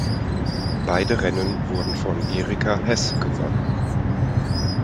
Beide Rennen wurden von Erika Hess gewonnen.